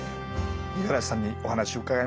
五十嵐さんにお話伺いました。